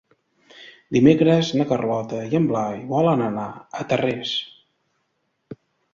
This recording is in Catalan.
Dimecres na Carlota i en Blai volen anar a Tarrés.